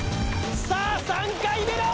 さあ３回目だ